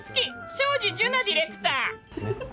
庄司樹奈ディレクター。